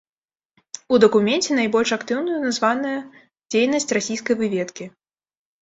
У дакуменце найбольш актыўнаю названая дзейнасць расійскай выведкі.